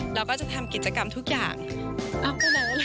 เราก็จะทำกิจกรรมทุกอย่าง